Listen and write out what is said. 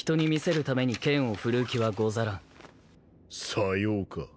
さようか。